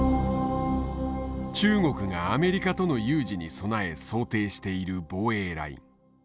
中国がアメリカとの有事に備え想定している防衛ライン。